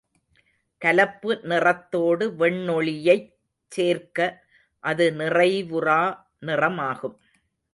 கலப்பு நிறத்தோடு வெண்ணொளியைச் சேர்க்க அது நிறைவுறா நிறமாகும்.